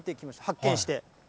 発見して。